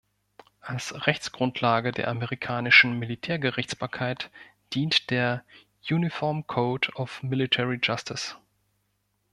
Als Rechtsgrundlage der amerikanischen Militärgerichtsbarkeit dient der "Uniform Code of Military Justice".